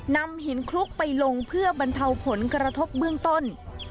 นำหินคลุกไปลงเพื่อบรรเทาผลกระทบเบื้องต้น